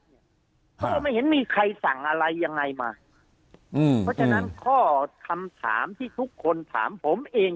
ก็ไม่เห็นมีใครสั่งอะไรยังไงมาอืมเพราะฉะนั้นข้อคำถามที่ทุกคนถามผมเอง